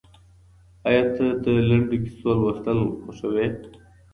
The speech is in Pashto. ایا ته د لنډو کیسو لوستل خوښوې؟